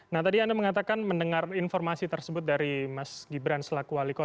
nah tadi anda mengatakan mendengar informasi tersebut dari mas gibran selaku wali kota